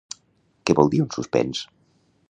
Què vol dir un suspens?